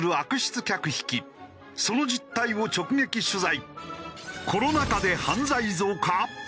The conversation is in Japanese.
その実態を直撃取材。